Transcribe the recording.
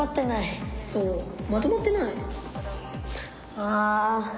ああ。